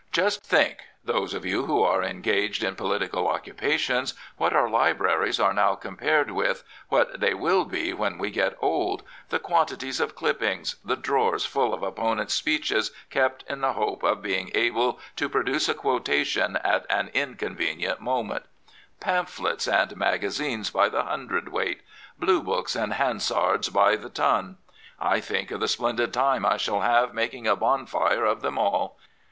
Just think, those of you who are engaged in political occupations, what our libraries are now compared with what they will be when we get old — the quantities of clippings, the drawers full of opponents' speeches kept in the hope of being able to produce a quotation at an incon venient moment; pamphlets and magazines by the hundredweight ; blue books and Hansards by the ton. I think of the splendid time I shall have making a bonfire of them all.